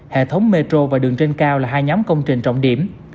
hệ thống metro và đường trên cao là hai nhóm công trình trọng điểm